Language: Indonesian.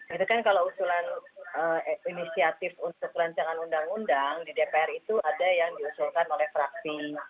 itu kan kalau usulan inisiatif untuk rancangan undang undang di dpr itu ada yang diusulkan oleh fraksi